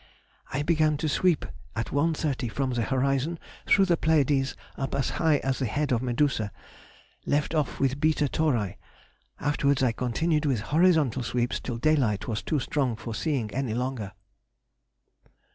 _—I began to sweep at 1.30, from the horizon through the Pleiades up as high as the head of Medusa. Left off with β Tauri. Afterwards I continued with horizontal sweeps till daylight was too strong for seeing any longer.